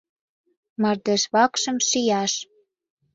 — Мардежвакшым шияш!